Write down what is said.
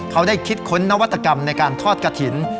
เขาได้คิดค้นนวัตกรรมในการทอดกระถิ่น